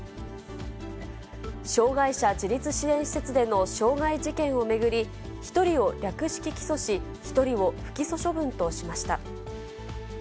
障がい者自立支援施設での傷害事件を巡り、１人を略式起訴し、１人を不起訴処分としました。